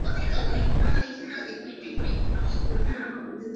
চলাচলকারীরা তোমাকে অদ্ভুতভাবে দেখছে।